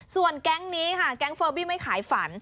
ส่วนแก๊งนี้ค่ะแก๊งเฟอร์บี้ไม่ขายฝัน